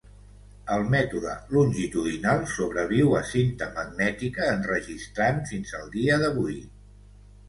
El mètode longitudinal sobreviu a cinta magnètica enregistrant fins al dia d'avui.